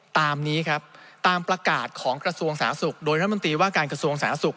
ตามนี้ครับตามประกาศของกระทรวงศาสตร์ศุกร์โดยรัฐมนตรีว่าการกระทรวงศาสตร์ศุกร์